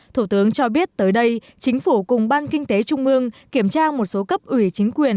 thủ tướng cho biết tới đây chính phủ cùng ban kinh tế trung mương kiểm tra một số cấp ủy chính quyền